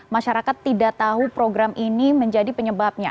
masyarakat tidak tahu program ini menjadi penyebabnya